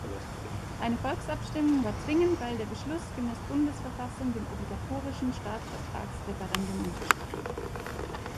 Eine Volksabstimmung war zwingend, weil der Beschluss gemäss Bundesverfassung dem obligatorischen Staatsvertrags-Referendum unterstand.